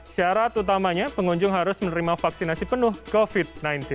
syarat utamanya pengunjung harus menerima vaksinasi penuh covid sembilan belas